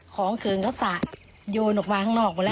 ของเขิงเขาสระโยนออกมาข้างนอกหมดแล้ว